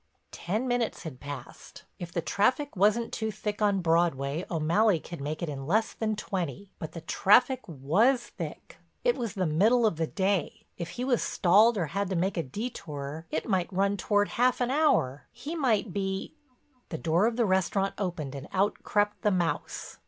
Ten minutes had passed. If the traffic wasn't too thick on Broadway O'Malley could make it in less than twenty. But the traffic was thick—it was the middle of the day; if he was stalled or had to make a detour it might run toward half an hour. He might be—The door of the restaurant opened and out crept the mouse.